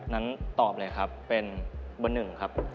นั้นตอบเลยครับเป็น๑ครับ